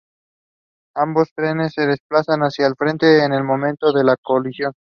Ambos trenes se desplazan hacia el frente en el momento de la colisión.